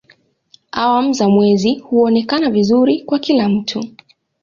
Awamu za mwezi huonekana vizuri kwa kila mtu.